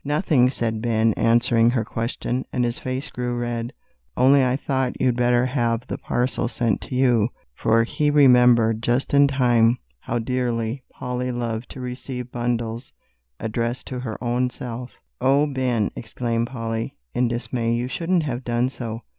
"Nothing," said Ben, answering her question, and his face grew red, "only I thought you'd better have the parcel sent to you," for he remembered just in time how dearly Polly loved to receive bundles addressed to her own self. "Oh, Ben!" exclaimed Polly, in dismay, "you shouldn't have done so.